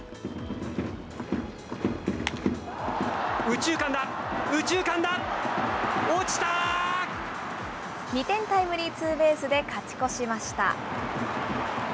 右中間だ、２点タイムリーツーベースで勝ち越しました。